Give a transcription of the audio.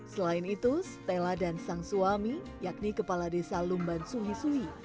selain itu stella dan sang suami yakni kepala desa lumban suhi suhi